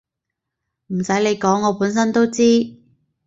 唔使你講我本身都知